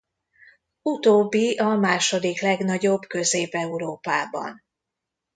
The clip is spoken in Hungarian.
Utóbbi a második legnagyobb Közép-Európában.